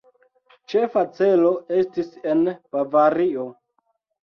Ĉefa celo estis en Bavario.